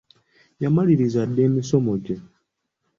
Yamaliriza dda emisomo gye.